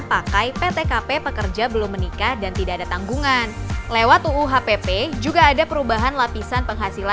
pakai ptkp pekerja belum menikah dan tidak ada tanggungan lewat uuhpp juga ada perubahan lapisan penghasilan